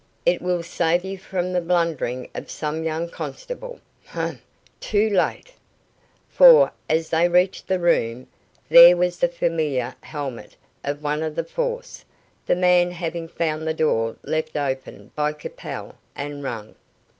It will save you from the blundering of some young constable. Humph too late." For, as they reached the room, there was the familiar helmet of one of the force, the man having found the door left open by Capel and rung.